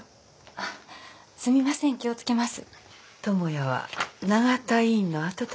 あっすみません気を付けます。